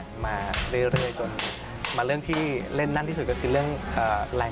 คุณผู้ชมไม่เจนเลยค่ะถ้าลูกคุณออกมาได้มั้ยคะ